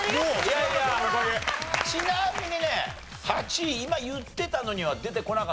ちなみにね８位今言ってたのには出てこなかった。